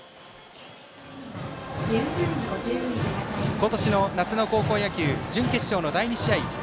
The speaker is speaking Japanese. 今年の夏の高校野球準決勝の第２試合。